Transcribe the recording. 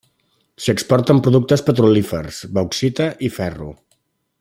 S'hi exporten productes petrolífers, bauxita i ferro.